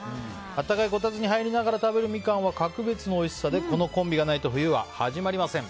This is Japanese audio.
暖かいこたつに入りながら食べるミカンは格別のおいしさでこのコンビがないと冬は始まりません。